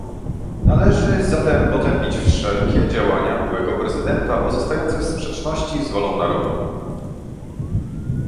Należy zatem potępić wszelkie działania byłego prezydenta pozostające w sprzeczności z wolą narodu